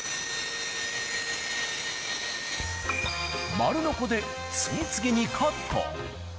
丸のこで次々にカット。